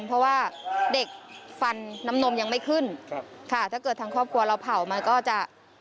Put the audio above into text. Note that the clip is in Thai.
เพราะว่าเด็กฟันน้ำนมยังไม่ขึ้นครับค่ะถ้าเกิดทางครอบครัวเราเผามันก็จะ